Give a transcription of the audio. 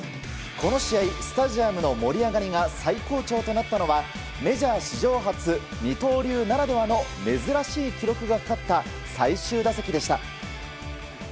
この試合スタジアムの盛り上がりが最高潮となったのはメジャー史上初二刀流ならではの珍しい記録がかかった最終打席でした。